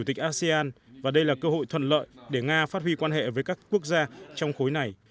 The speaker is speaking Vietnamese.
chủ tịch asean và đây là cơ hội thuận lợi để nga phát huy quan hệ với các quốc gia trong khối này